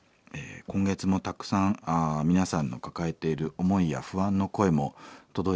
今月もたくさん皆さんの抱えている思いや不安の声も届いております。